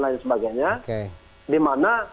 lain sebagainya dimana